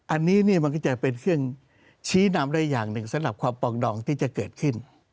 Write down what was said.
อันนี้มันก็จะเป็นเครื่องชี้นำได้อย่างหนึ่งสำหรับความปองดองที่จะเกิดขึ้น